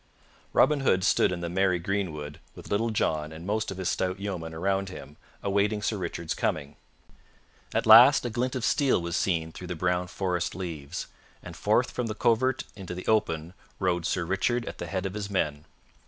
Robin Hood stood in the merry greenwood with Little John and most of his stout yeomen around him, awaiting Sir Richard's coming. At last a glint of steel was seen through the brown forest leaves, and forth from the covert into the open rode Sir Richard at the head of his men.